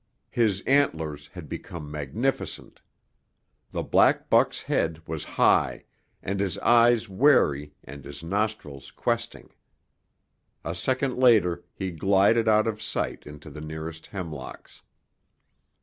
His antlers had become magnificent. The black buck's head was high, and his eyes wary and his nostrils questing. A second later he glided out of sight into the nearest hemlocks.